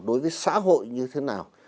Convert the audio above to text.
đối với xã hội như thế nào